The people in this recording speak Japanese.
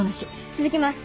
続けます